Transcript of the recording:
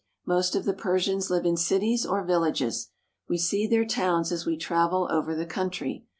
Most of the Persians live in cities or villages. We see their towns, as we travel over the country.